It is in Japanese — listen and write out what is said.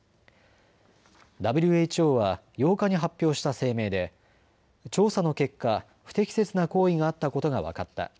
ＷＨＯは８日に発表した声明で調査の結果、不適切な行為があったことが分かった。